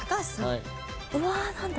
うわ何だ！？